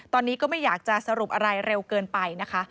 ตอนนี้ก็ไม่อยากจะสรุปอะไรเร็วเกินไปนะคะ